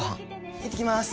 行ってきます。